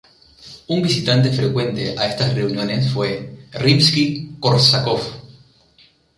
Un visitante frecuente a estas reuniones fue Rimski‑Kórsakov.